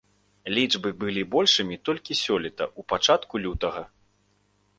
Лічбы былі большымі толькі сёлета ў пачатку лютага.